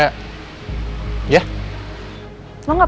lo gak percaya sama gue